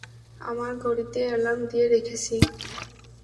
আমার ঘড়িতে এলার্ম দিয়ে রেখেছি।